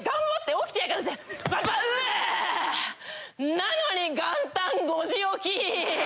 なのに元旦５時起き！